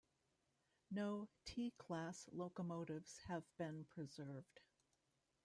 No T class locomotives have been preserved.